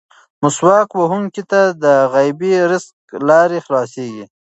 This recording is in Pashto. مسواک وهونکي ته د غیبي رزق لارې خلاصېږي.